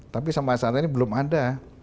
tapi sampai saat ini belum ada